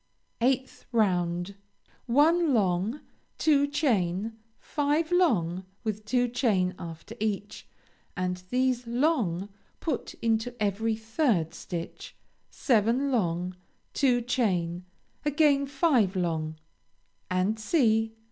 8th round One long, two chain, five long with two chain after each and these long put into every third stitch, seven long, two chain, again five long, &c. &c.